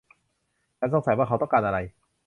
ฉันสงสัยว่าเขาต้องการอะไร